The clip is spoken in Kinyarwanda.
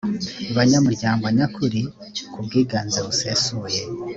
banyamuryango nyakuri ku bwiganze busesuye